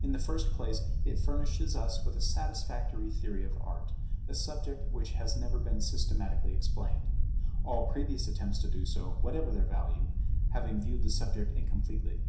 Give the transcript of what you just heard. In the first place, it furnishes us with a satisfactory theory of Art; a subject which has never been systematically explained; all previous attempts to do so, whatever their value, having viewed the subject incompletely.